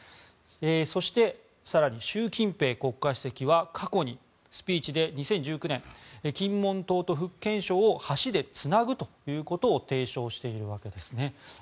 そして、更に習近平国家主席は過去にスピーチで２０１９年金門島と福建省を橋でつなぐということを提唱しているわけですね。